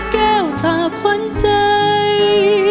แก้วขาขวัญใจ